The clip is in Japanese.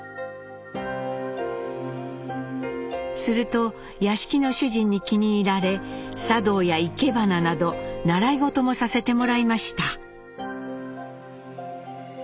すると屋敷の主人に気に入られ茶道や生け花など習い事もさせてもらいました。